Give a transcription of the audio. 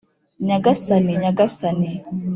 nyagasani! nyagasani!